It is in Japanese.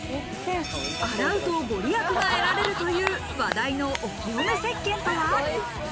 洗うと御利益が得られるという話題のお清め石鹸とは。